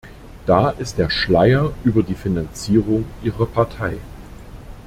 Da ist der Schleier über die Finanzierung ihrer Partei.